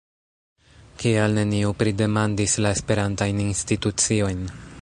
Kial neniu pridemandis la esperantajn instituciojn?